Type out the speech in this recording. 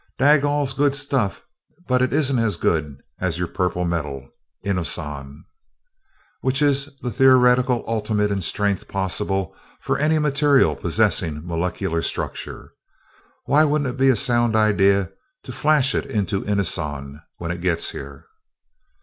Dagal's good stuff, but it isn't as good as your purple metal, inoson, which is the theoretical ultimate in strength possible for any material possessing molecular structure. Why wouldn't it be a sound idea to flash it into inoson when it gets here?"